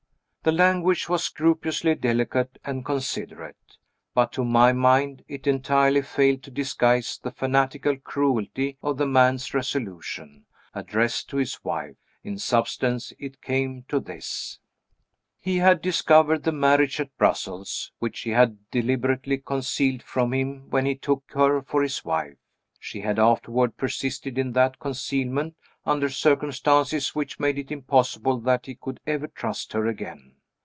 The language was scrupulously delicate and considerate. But to my mind it entirely failed to disguise the fanatical cruelty of the man's resolution, addressed to his wife. In substance, it came to this: "He had discovered the marriage at Brussels, which she had deliberately concealed from him when he took her for his wife. She had afterward persisted in that concealment, under circumstances which made it impossible that he could ever trust her again."